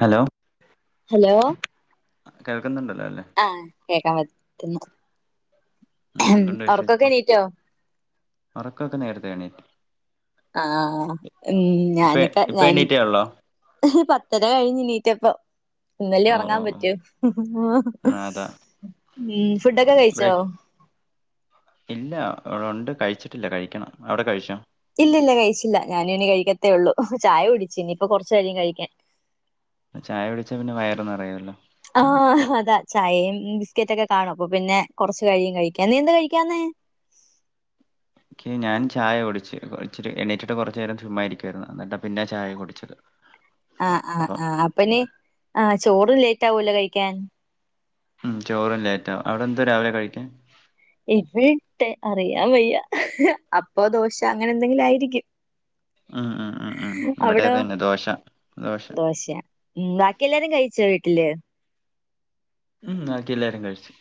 Hello hello കേൾക്കുന്നുണ്ടല്ലോ ല്ലെ? ആഹ് കേക്കാൻ പറ്റുന്നു ഉം എന്തുണ്ട് ഉറക്കൊക്കെ വിശേഷം എണീറ്റോ ഉറക്കൊക്കെ നേരത്തെ എണീറ്റ് ആഹ് ഉം ഇപ്പ ഞാനൊക്കെ ഇപ്പ ഞാന് എണീറ്റേ ഉള്ളോ പത്തര കഴിഞ്ഞ് ണീറ്റപ്പൊ ഇന്നല്ലേ ഓ ഓ ഒറങ്ങാൻ ഓ പറ്റൂ ആ അതാ ഉം ഫുഡൊക്കെ കഴിച്ചോ? ബ്രേക്ക് ഇല്ല ഇവിടെ ഉണ്ട് കഴിച്ചിട്ടില്ല കഴിക്കണം അവിടെ കഴിച്ചോ? ഇല്ലല്ല കഴിച്ചില്ല ഞാന് ഇനി കഴിക്കത്തേള്ളൂ ചായ കുടിച്ചു ഇനിയിപ്പൊ കൊറച് കയും കഴിക്കാൻ ചായ കുടിച്ച പിന്നെ വയറ് നിറയല്ലോ ആഹ് അതാ ചായയും ബിസ്ക്കറ്റ് ഒക്കെ കാണും അപ്പൊ പിന്നെ കൊറച്ച് കഴിയും കഴിക്കാൻ നീ എന്ത കഴിക്കാഞ്ഞേ ക്ഞാൻ ചായ കുടിച്ച് കുടിച്ച് എണീറ്റിട്ട് കുറച്ചു നേരം ചുമ്മായിരിക്കുവായിരുന്നു എന്നിട്ടാ പിന്നെ ചായ കുടിച്ചത് ആ [inaudible] ആഹ് ആഹ് ആഹ് അപ്പനീ ചോറും ലേറ്റ് ആവല്ലോ കഴിക്കാൻ ഉം ചോറും ലൈറ്റ് ആവും അവിടെ എന്താ രാവിലെ കഴിക്കൻ ഇവി ട്ടെ അറിയാം വയ്യ അപ്പ ദോശ അങ്ങനെ എന്തെങ്കിലും ആയിരിക്കും അഹ് അഹ് അഹ് അഹ് ഇവിടെ അവിടോ അതന്നെ ദോശ ദോശ ദോശ ഉം ബാക്കി എല്ലാരും കഴിച്ച വീട്ടില് ഉം ബാക്കി എല്ലാരും കഴിച്ച്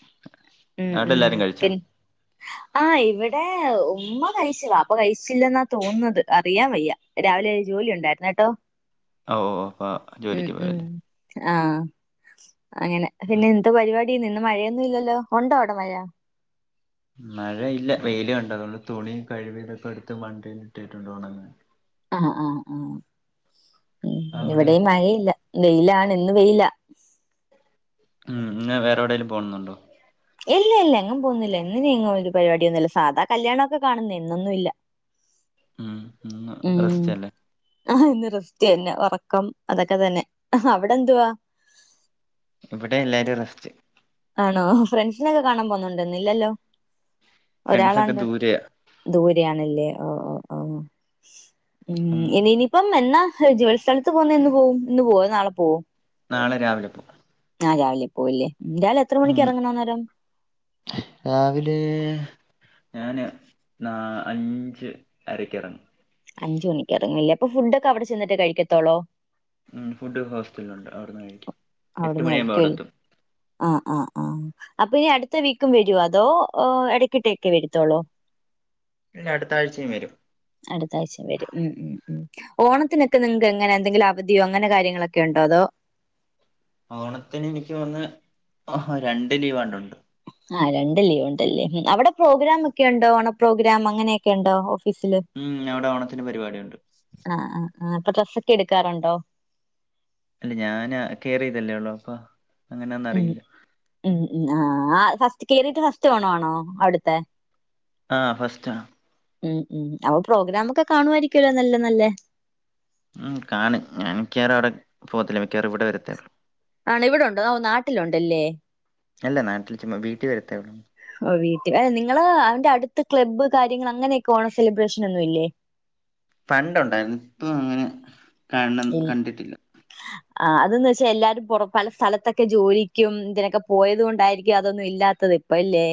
ഉം ഉം പിൻ [inaudible] ആഹ് ഇവിടെ ഉമ്മ കഴിച്ച് വാപ്പ കഴിച്ചില്ലെന്നാ തോന്നുന്നത് അറിയാൻ വയ്യ രാവിലെ ജോലി ഉണ്ടായിര്ന്ന് കേട്ടോ ഓ ഓ അപ്പൊ ഉം ജോലിക്ക് ഉം പോയല്ലേ ആഹ് അങ്ങനെ ഉം പിന്നെ എന്ത പരിപാടി ഇന്ന് മഴയൊന്നും ഇല്ലല്ലോ ഉണ്ടോ അവിടെ മഴ മഴ ഇല്ല വെയിലുണ്ട് അതുകൊണ്ട് തുണി കഴിവി ഇതൊക്കെ എടുത്ത് വണ്ടിൽ ഇട്ടിട്ടുണ്ട് ഒണങ്ങാൻ ആഹ് ആഹ് ആഹ് ഉം അവിടെയോ ഇവിടെ മഴയില്ല വെയിലാണ് ഇന്ന് വെയില ഉം ഇന്ന് വേറെ എവിടേലും പോകുന്നുണ്ടോ ഇല്ല ഇല്ല എങ്ങും പോകുന്നില്ല ഇന്ന് ഇങ്ങും ഒരു പരിപാടിയൊന്നുംമില്ല സാധാ കല്യാണൊക്കെ കാണു ഇന്നൊന്നും ഇല്ല ഉം ഇന്ന് ഉം റസ്റ്റല്ലേ ആഹ് ഇന്ന് റസ്റ്റ്തന്നെ ഉറക്കം അതൊക്കെ തന്നെ അവിടെന്തുവാ? ഇവിടെ എല്ലാരും റസ്റ്റ് ആണോ ഫ്രണ്ട്സിനൊക്കെ കാണാൻ പോന്നുണ്ടോ ന്നില്ലല്ലോ ഫ്രണ്ട്സൊക്കെ ഒരാളാണ്ട് ദൂരെയാ ദൂരയാണല്ലേ ഓഹ് ഓഹ് ഓഹ് ഉം ഇനിനിപ്പൊ എന്നാ ജോലി സ്ഥലത്ത് പോകുന്നെ എന്ന് പോവും ഇന്ന് പോകോ അതോ നാളെ പോകോ നാളെ രാവിലെ പോകു നാളെ രാവിലെ പോവല്ലേ രാവിലെ എത്ര മണിക്ക് ഉം ഇറങ്ങണന്നേരം രാവിലെ ഞാന് നാ അഞ്ച് അരക്ക എറങ്ങും അഞ്ചു മണിക്ക് ഇറങ്ങുല്ലേ അപ്പൊ ഫുഡൊക്കെ അവടെ ചെന്നിട്ടേ കഴിക്കത്തോളോ ഉം ഫുഡ് ഹോസ്റ്റല്ണ്ട് അവിടന്ന് കഴിക്കും എട്ട് അവിടുന്ന് മണിയാകുമ്പോ കഴിക്കു അവിടെ എത്തും അ ആഹ് ആഹ് ആഹ് അപ്പൊനി അട്ത്ത വീക്കും വെരോ അതോ ഇടക്കെട്ടെക്കെ വരത്തൊള്ളൂ ഇല്ല അടുത്ത ആഴ്ചയും വരും അട്ത്ത ആഴ്ച്ച വരും ഉം ഉം ഉം ഓണത്തിനക്കെ നിങ്ങക്ക് എങ്ങനാ എന്തെങ്കിലും അവധിയോ അങ്ങനെ കാര്യങ്ങളൊക്കെ ണ്ടോ അതോ ഓണത്തിന് ഇനിക്ക് തോന്ന്ന്ന് ഹഹാ രണ്ട് ലീവാണ്ടുണ്ട് ആഹ് രണ്ട് ലീവ്ണ്ടല്ലേ അവടെ പ്രോഗ്രാമൊക്കെ ഉണ്ടോ ഓണപ്രോഗ്രാം അങ്ങനെയക്കെ ണ്ടോ ഓഫീസില് ഉം അവിടെ ഓണത്തിന് പരിപാടിയുണ്ട് ആഹ ആഹ് ആഹ് അപ്പൊ ഡ്രസ്സക്കെ എടുക്കാറുണ്ടോ അല്ല ഞാന കേറിയതല്ലേ ഒള്ളു അപ്പൊ അങ്ങനെ ഒന്നും ഉം അറിയില്ല ഉം ഉം ആഹ് ആഹ് ഫസ്റ്റ് കേറീട്ട് ഫസ്റ്റ് ഓണവാണോ അവിട്ത്തെ ആഹ് ഫസ്റ്റാ ഉം ഉം അപ്പൊ പ്രോഗ്രാമൊക്കെ കാണുവായിരിക്കല്ലോ നല്ല നല്ലേ ഉം കാണും ഞാൻ മിക്കവാറും അവിടെ പോകത്തില്ല മിക്കയറ ഇവിടെ വരത്തേഒള്ളു ആണ് ഇവിടെണ്ടോ ഓഹ് നാട്ടിലുണ്ടല്ലേ അല്ല നാട്ടിൽ ചുമ്മ വീട്ടി വരത്തെ ഒള്ളു ഓഹ് വീട്ടിൽ അ നിങ്ങള് അവന്റെ അടുത്ത് ക്ലബ്ബ് കാര്യങ്ങള് അങ്ങനെയൊക്കെ ഓണ സെലിബ്രേഷൻ ഒന്നും ഇല്ലേ പണ്ടുണ്ടായിരുന്നു ഇപ്പൊ അങ്ങനെ കാണ കണ്ടിട്ടില്ല ആഹ് അതെന്താച്ചാ എല്ലാരും പൊറ പല സ്ഥലത്തൊക്കെ ജോലിക്കും തിനൊക്കെ പോയതുകൊണ്ടായിരിക്കും അതൊന്നും ഇല്ലാത്തത് പല്ലേ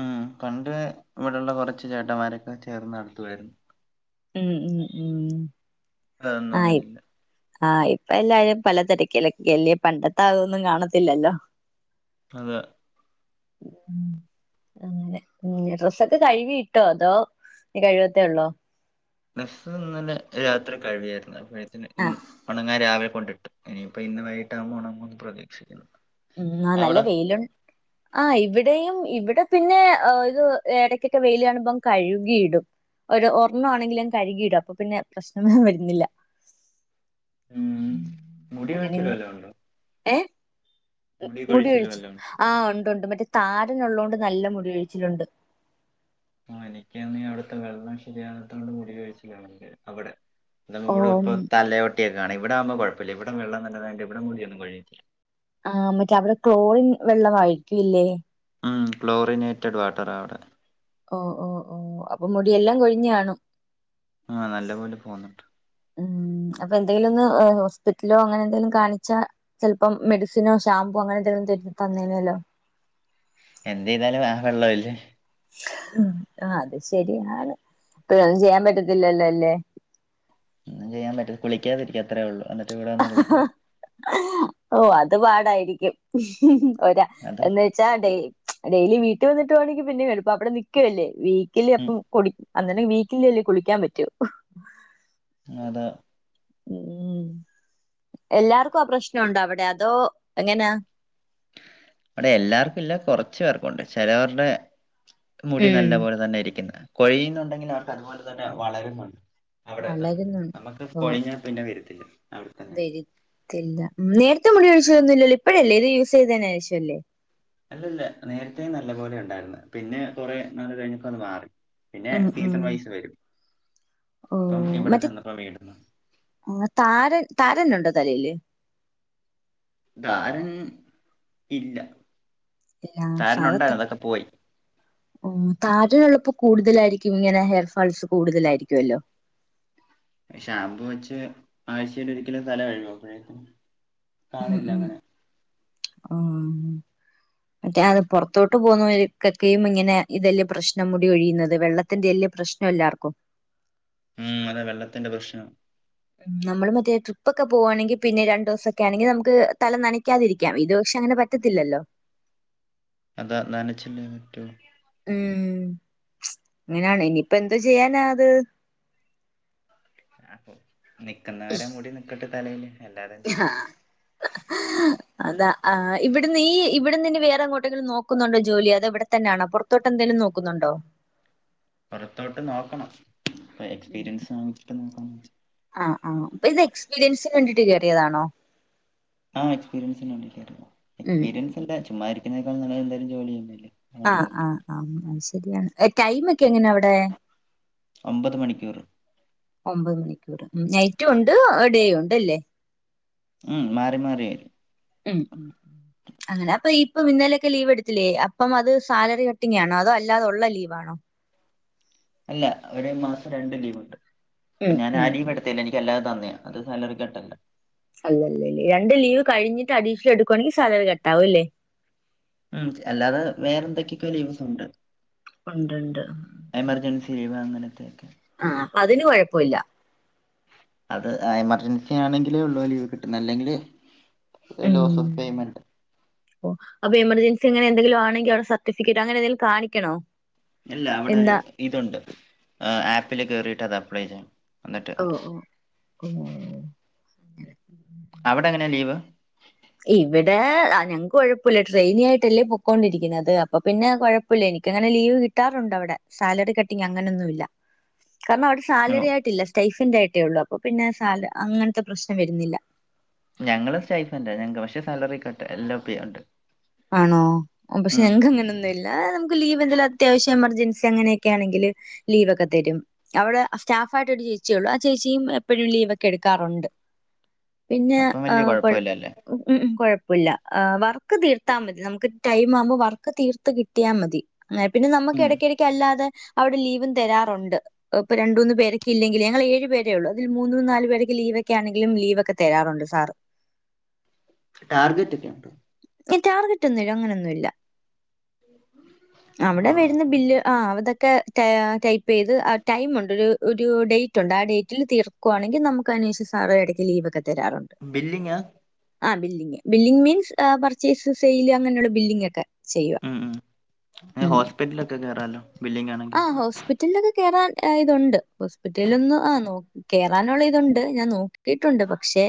ഉം പണ്ട് ഇവിടെള്ള കുറച്ച് ചേട്ടന്മാരൊക്കെ ചേർന്ന് നടത്തുായിര്ന്ന് ഉം ഉം ഉം അതൊന്നും ആ അങ്ങനെല്ല്യ ആഹ് ഇപ്പ എല്ലാരും പല തെരകിലൊക്കെല്ലേ പണ്ടത്തെ ആഒന്നും കാണത്തില്ലല്ലോ അത ഉം അങ്ങനെ ഡ്രസ്സൊക്കെ കഴ്കിയിട്ടോ അതോ കഴികത്തേ ഒള്ളോ ഡ്രസ്സ്‌ ഇന്നലെ രാത്രി കഴുകിയാര്ന്ന് അപ്പോഴത്തിന് ഇൻ ആഹ് ഒണങ്ങാൻ രാവിലെ കൊണ്ടിട്ട് ഇനിയിപ്പ ഇന്ന് വൈകിട്ട ആവുമ്പോ ഉണങ്ങുന്ന് പ്രതീക്ഷിക്ക്ന്ന് ഉം ആഹ് നല്ല വെയിലു ആഹ് ഇവിടെയും ഇവിടെ പിന്നെ ഇത് ഇടയ്ക്കൊക്കെ വെയില കാണുമ്പം കഴുകിയിടും ഒരു ഒരെണ്ണ ആണെങ്കിലും കഴുകിയിടും അപ്പൊ പിന്നെ പ്രശ്നമേ വരുന്നില്ല ഉം മുടി അങ്ങനെ കൊഴിച്ചിൽ ഇന്ന് വല്ലതും ഉണ്ടോ ഏഹ് മുടി കൊഴിച്ചിൽ കൊഴിച് വല്ലതും ഉണ്ടോ ആഹ് ഉണ്ടുണ്ട് മറ്റേ താരനുള്ളൊണ്ട് നല്ല മുടി കൊഴിച്ചിലുണ്ട് ആഹ് എനിക്കന്ന് അവിടത്തെ വെള്ളം ശരിയാകത്തോണ്ട് മുടി കൊഴിച്ചിലണ്ട് അവടെ [unintelligible] ഓഹ് ഇപ്പോ തലയോട്ട്യോക്കെ കാണാ ഇവടാവുമ്പോ കൊഴപ്പുല്ല ഇവിടെ വെള്ളം നല്ലതായിട്ട് ഇവിടെ മുടി ഒന്നും കൊഴീല്ല ആഹ് മറ്റേ അവടെ ക്ലോറിൻ വെള്ളംമായിരിക്കൂല്ലേ ഉം ക്ലോറിനേറ്റഡ് വാട്ടറാണ് അവടെ ഓഹ് ഓഹ് ഓഹ് അപ്പൊ മുടിയെല്ലാം കൊഴിഞാണും ആഹ് നല്ല പോലെ പോന്നുണ്ട്. ഉം അപ്പൊ എന്തെങ്കിലും ഒന്ന് ഹോസ്പിറ്റലോ അങ്ങനെ എന്തെങ്കിലും കാണിച്ചാ ചെൽപ്പം മെഡിസിനോ ഷാംപൂ അങ്ങനെന്തെങ്കിലും ത തന്നീനല്ലോ എന്ത്യ്താലും ആ വെള്ളോല്ലേ അഹ് അത് ശരിയാണ് ഇപ്പ ഒന്നും ചെയ്യാൻ പറ്റത്തില്ലല്ലോ അല്ലേ. ഒന്നും ചെയ്യൻ പറ്റ കുളിക്കാതിരിക്ക അത്രേ ഉള്ളൂ ഇവിടെ വന്ന് കുളിക്കാം ഓഹ് അത് പാടാരിക്കും ഒരാ അത് എന്ന് വെച്ചാ ഡെയ് ഡേയ്ലി വീട്ടി വന്നിട്ട് വാണെങ്കി പിന്നി എൾപാ ബടെ നി ക്യുവല്ലേ വീക്കിലി ഉം അപ്പം കുടി അന്നന്നെ വീക്കിലി അല്ലേ കുളിക്കാൻ പറ്റു അതാ ഉംഉം എല്ലാർക്കും ആ പ്രശ്നം ഉണ്ടോ? അവിടെ അതോ എങ്ങനാ അവിടെ എല്ലാർക്കും ഇല്ല. കുറച്ചു പേർക്കുണ്ട് ചേലോർടെ മുടി ഉം നല്ല പോലെ തന്നെ ഇരിക്കുന്നെ കൊഴിയുന്നുണ്ടെങ്കിൽ ആണ് അതുപോലെ തന്നെ വളരുന്നുണ്ട് അവിടെത്തന്ന വളരുന്നുണ്ട് നമക്ക് പൊഴിഞ്ഞാ പിന്നെ വരത്തില്ല. അവിട്ത്തെ വരിത്തില്ല. നേരത്തെ മുടി കോഴിച്ചിലൊന്നും ഇല്ലല്ലോ ഇപ്പഴല്ലേ ഇത് യൂസ് ചെയ്തെന് ശേഷല്ലേ അല്ലല്ല നേരത്തെ നല്ല പോലെ ഉണ്ടായിരുന്നു പിന്നെ കുറെ നാള് കഴിഞ്ഞപ്പോ അത് മാറി. പിന്നെ ഉം ഉം സീസൺ വൈസ് വരും. ഓ ഇപ്പം ഇവിടെ ചെന്നപ്പോ വീ ഉം താരൻ താരന് ഉണ്ടോ തലയില് താരൻ ഇല്ല ഇല്ല താരനുണ്ടായിരുന്നു. അതൊക്കെ പോയി ഉം താരൻ ഉള്ളപ്പോ കൂടുതലായിരിക്കും ഇങ്ങനെ ഹെയർ ഫാൾസ് കൂടുതലായിരിക്കൊല്ലോ ഷാമ്പു വെച്ച് ആഴ്ചയിൽ ഒരുക്കല് തല കഴു [unintelligible] ഉം ഉം ആഹ് മറ്റേ അത് പുറത്തോട്ട് പോകുന്നവർക്ക് ഒക്കെയും ഇങ്ങനെ ഇതല്ലേ പ്രശ്നം മുടി കൊഴിയുന്നത്. വെള്ള [unintelligible] പ്രശ്ന എല്ലാർക്കും ഉം അതെ വെള്ളത്തിന്റെ പ്രശ്നാണ് നമ്മള് മറ്റേ ട്രിപ്പ് ഒക്കെ പോവാണെങ്കി പിന്നെ രണ്ട് ദിവസൊക്കെ ആണെങ്കി നമുക്ക് തല നനക്കാതിരിക്കാം. ഇത് പക്ഷെ അങ്ങനെ പ പറ്റത്തില്ലല്ലോ അതാ നനച്ചി [unintelligible] ഉം ഇങ്ങനാണങ്കി ഇപ്പൊ എന്തോ ചെയ്യാനാ അത് അപ്പൊ നിക്കന്നവരെ മൂടി നിക്കട്ടെ തലയില് അല്ലാതെ എന്ത് ചെയ്യാന അതാ ആ ഇവിടുന്ന് ഈ ഇവിട്ന്ന് ഇഞ് വേറെ എങ്ങോട്ടെങ്കിലും നോക്കുന്നുണ്ടോ ജോലി. അതാ ഇവിടെ തന്നെയാണോ പൊർ തൊട്ട് എന്തെങ്കിലും നോക്കുന്നുണ്ടോ പൊറത്തോട്ട് നോക്കണം. ഇപ്പൊ ഉം എക്സ്പീരിയൻസ [unintelligible] ആഹ് ആഹ് അപ്പം ഇത് എക്സ്പീരിയൻസ് കണ്ടിട്ട് കെറിയതാണോ. ആ എക്സ്പീരിയൻസ് [unintelligible] ഉം എക്സ്പീരിയൻസ് ഇണ്ട്. ചുമ്മാ ഇരിക്കുന്നതിനേക്കാളും നല്ലത് എന്തേലും ജോലി ചെയ്യുന്നല്ലേ ആഹ് ആഹ് ആഹ് ശരിയാണ്. ടൈമൊക്കെ എങ്ങനാ അവ്ടെ ഒമ്പത് മണിക്കൂറ്. ഒമ്പത് മണിക്കൂറ് നൈറ്റും ഉണ്ട് ഡേയും ഉണ്ട് അല്ലേ ഉം മാറി മാറി ഉം അങ്ങനെ അപ്പം ഇപ്പൊ ഇന്നലെക്കെ ലീവ് എടുത്തില്ലേ, അപ്പം അത് സാലറി കട്ടിങ്ങാണോ അതോ അല്ലാതെ ഒള്ള ലീവ് ആണോ. അല്ല ഒരു മാസം രണ്ട് ലീവ് ഉണ്ട്. അപ്പൊ ഉം ഞാൻ ആ ഉം ലീവ് ഉം എട് ത്തീല്ല എനിക്ക് അല്ലാതെ തന്ന അത് സാലറി കട്ടല്ല അല്ലല്ലല്ലേ രണ്ട് ലീവ് കഴിഞ്ഞിട്ട് അഡീഷൻ എടുവാണെങ്കി സാലറി കട്ട് ആവും ല്ലേ ഉം അല്ലാതെ വേറെ എന്തൊക്കെയൊക്കെ ലീവ്സ് ഉണ്ട് ഉണ്ട്ണ്ട് എമർജൻസി ലീവ് അങ്ങനത്തെയൊക്കെ ആഹ് അതിന് കൊഴപ്പൊല്ല. അത് എമർജൻസി ആണെങ്കിലെ ഉള്ളൂ ലീവ് കിട്ടുന്ന അല്ലെങ്കില് ലോസ് ഓഫ് പേയ്മെന്റ് ഓ അപ്പൊ എമർജൻസി അങ്ങനെന്തെങ്കിലും ആണെങ്കി അവിടെ സർട്ടിഫിക്കറ്റ് അങ്ങനെ എന്തെങ്കിലും കാണിക്കണോ? ഇല്ല അവിടെ ഒരു എന്താ ഇതുണ്ട് ആപ്പില് കേറീട്ട് അത് അപ്ലൈ ചെയ്യാം. ഓ ഓ ഓ അവടെ എങ്ങനെ ലീവ്? ഇവിടെ ഞങ്ങക്ക് കൊഴപ്പുല്ല ട്രെയിനായിയിട്ടല്ലേ പൊക്കോണ്ടിരിക്കുന്നത് അപ്പൊ പിന്നെ കോയ പുല്ലാ എനിക്ക് അങ്ങനെ ലീവ് കിട്ടാറുണ്ട് അവിടെ സാലറി കട്ടിംഗ് അങ്ങനൊന്നു ഇല്ല. കാരണം അവിടെ സാലറി ആയിട്ടില്ല സ്റ്റൈഫന്റെ ആയിട്ടേ ഉള്ളു അപ്പൊ പിന്നെ സാല അങ്ങൻത്തെ പ്രശ്നം വരുന്നില്ല. ഞങ്ങള് സ്റ്റൈഫന്റ ഞങ്ങക്ക് പക്ഷെ സാലറി കട്ട് എല്ലോ പി ഉണ്ട്. ആണോ പക്ഷെ ഉം ഞങ്ങക്ക് അങ്ങനൊന്നുൽ ആഹ് നമുക്ക് ലീവ്ന്തെലു അത്യാവശ്യ എമർജൻസി അങ്ങനെയൊക്കെ ആണെങ്കില് ലീവൊക്കെ തരും. അവ്ടെ സ്റ്റാഫ് ആയിട്ട് ഒരു ചേച്ചിയള്ളു ആ ചേച്ചിയും എപ്പഴും ലീവ് ഒക്കെ എടുക്കാറുണ്ട്. അപ്പം വല്ല്യ കുഴപ്പല്ലല്ലേ. മ് മ് കൊയപ്പുല്ല വർക്ക് തീർത്താ മതി നമുക്ക് ടൈം ആവുമ്പോ വർക്ക് തീർത്ത് കിട്ടിയാ മതി. ന്നാ പിന്നെ നമ്മക്ക് ഇടയ്ക്കിടക്ക് അല്ലാതെ അവിടെ ലീവും തരാറുണ്ട്. ഇപ്പൊ രണ്ടൂന്ന് പേരൊക്കെയിലെഗി ഞങ്ങൾ ഏഴു പേരെ ഒള്ളു അതിൽ മൂന്ന് നാല് പേര് ലീവൊക്കെ ആണെിലും ലീവ്ക്കെ തരാപറഞ്ഞു സാർ. ടർഗറ്റ് ഒക്കെ ഉണ്ട് ഹെയ് ടാർഗറ്റ് ഒന്നുമില്ല അങ്ങനൊന്നുമല്ല അവിടെ ഓ വരുന്ന ബില്ല് ആഹ് അതൊക്കെ ടൈപ്പ് യ്ത് ആ ടൈമുണ്ട് ഒരു ഡേറ്റ് ഉണ്ട് ആ ഡേറ്റിൽ തീർക്കണം തീർക്കുകയാണെങ്കിൽ നമ്മുക്ക് അതിനനുസരിച്ചു സാർ ഇടക്ക് ലീവ്ക്കെ തരാറുണ്ട്. ബില്ലിംഗ് ആണോ ആഹ് billing billing means purchase, sale അങ്ങനെയുള്ള ബിംഗ ഒക്കെ. ചെയ്യും മ് മ് ഹോസ്പിറ്റലൊക്കെ കേയറാല്ലോ ബില്ലിംഗ് ആണങ്കിൽ ആഹ് ഹോസ്പിറ്റലിലൊക്കെ കേയറാൻ ഇതുണ്ട് ഹോസ്പിറ്റലിൽ ഒന്ന് ആ നോക്കിയില്ല കേറാനുള്ള ഇതുണ്ട് ഞാൻ നോക്കിട്ടുണ്ട് പക്ഷെ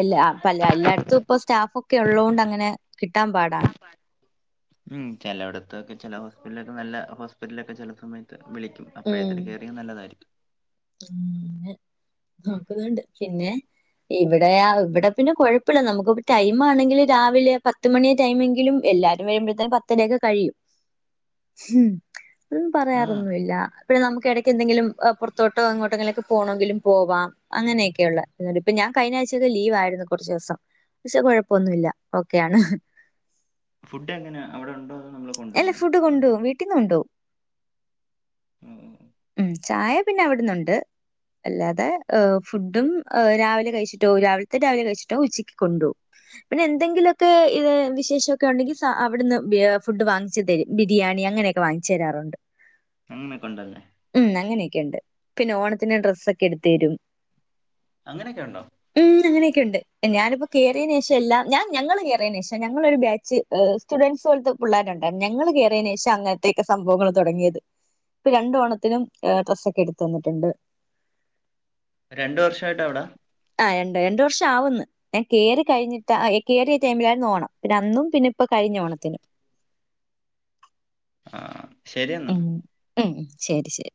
അല്ല എല്ലായിടത്തു ഇപ്പൊ സ്റ്റാഫ് ഒക്കെ ഉള്ളോണ്ട്. അങ്ങനെ കിട്ടാൻ പാടാണ് [inaudible] ഉം ചേലോടത്തൊക്കെ ചിലെ ഹോസ്പിറ്റലൊക്കെ നല്ല ഹോസ്പിറ്റലൊക്കെ ചില സമയത്ത് വിളിക്കും? അപ്പയെത്തിന് കേറിയ നല്ലതായിരിക്കും. ഉം ന്ന് നോക്കുന്നുണ്ട് പിന്നെ. ഇവിടെ ഇവിടെ പിന്നെ കുഴപ്പല്ല നമുക്ക്കെ ടൈം ആണെങ്കിൽ രാവിലെ പത്ത്മണിയ ടൈമെങ്കിലും എല്ലാവർക്കും വരുമ്പത്തേനു പത്തര യൊക്കെ കഴിയും. [inaudible] ഹുമ് ഒന്നും ആഹ് പറയാറൊന്നുല്ല നമുക്ക് ഇടക്ക് എന്തെങ്കിലും പുറത്ത് തോട്ടം അങ്ങോട്ടെങ്ങിലൊക്കെ പോണെങ്കിലും പോവാം അങ്ങനൊക്കെയുള്ള [unintelligible] പുറത്തോട്ട് എങ്ങോട്ടെങ്കിലും പോണങ്കിലും പോകാം ഇപ്പൊ ഞാൻ കഴിഞ്ഞ ആഴ്ചൊക്കെ ലീവ് ആണ് കുറച്ചു ദിവസം ഇപ്പോ കുഴപ്പൊന്നുല്ല ഓക്കെയാണ് ഫുഡ് എങ്ങനെ അവിടെ ഉണ്ടോ അതോ നമ്മള് അല്ലെ കൊണ്ടുപോണോ ഫുഡ് കൊണ്ടോവും വീട്ടീന്ന് കൊണ്ടോവും. [inaudible] ഉം ഉം ചായ പിന്നെ അവിട്ന്നുണ്ട്. അല്ലാതെ ഹ് ഫുഡും രാവിലത്തെ രാവിലെ കഴിച്ചിട്ടു പോകും ഉച്ചയ്ക്ക് കൊണ്ട് പോകും പിന്നെ എന്തെങ്കിലൊക്കെ ഈ വിശേഷയൊക്കെ ഉണ്ടെങ്കിൽ സാർ അവിടുന്ന് ബി ഫുഡ് വാങ്ങിച് തരും ബിരിയാണിങ്ങനെയൊക്കെ വാങ്ങിച്ചു തരാറുണ്ട്. അങ്ങനെയൊക്കെ ഉണ്ടല്ലേ ഉം അങ്ങനെയൊക്കെയ ഉണ്ട് പിന്നെ ഓണത്തിന് ഡ്രസ്സൊക്കെ എട്ത്തരും. അങ്ങനെയൊക്കെ ഉണ്ടോ. ഉം അങ്ങനെയൊക്കെ ഉണ്ട് ഞാനിപ്പോ കേറിയേനേഷം എല്ലാം ഞാൻ ഞങ്ങള് കേറിയേനേഷം ഞങ്ങളൊരു ബാച്ച്. സ്റ്റുഡൻസ് പോലത്തെ പിള്ളേരുണ്ട ഞങ്ങൾ കേറിയതിന് ശേഷം അങ്ങനത്തെയൊക്കെ സംഭവങ്ങൾ തുടങ്ങിയത് ഇപ്പോ രണ്ട് ഓണത്തിനും ഡ്രസ്സ്‌ ഒക്കെ എടുത്തന്നിട്ടുണ്ട്. രണ്ട് വർഷയിട്ട് അവിടെ? ആഹ് രണ്ട രണ്ട് വർഷം ആവുന്ന് ഞാൻ കേറി കഴിഞ്ഞിട്ടാ കേറിയ ടൈമിലായിരുന്നു ഓണം പിന്നെ അന്നും പിന്നെ. ഇപ്പൊ കഴിഞ്ഞ ഓണത്തിന് ആ ശരിയെന്നാ ഉം ഉം ശരി ശരി